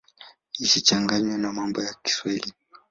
Isichanganywe na mambo ya Kiswahili.